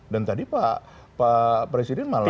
dan tadi pak presiden malah